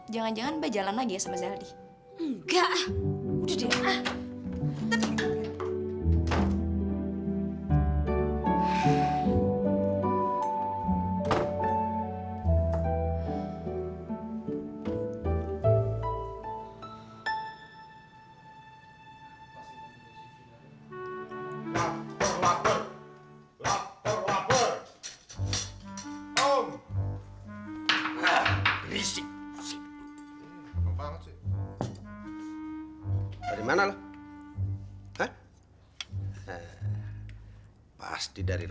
jangan jangan mbak jalan lagi ya sama zaldi